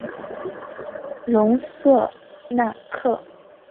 隆瑟纳克。